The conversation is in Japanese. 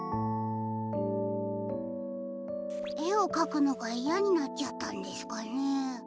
えをかくのがいやになっちゃったんですかね？